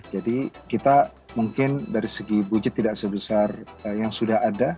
jadi kita mungkin dari segi budget tidak sebesar yang sudah ada